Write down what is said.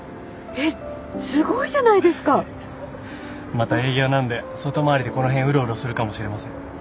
また営業なんで外回りでこの辺うろうろするかもしれません。